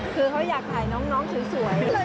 คือเขาอยากถ่ายน้องสวย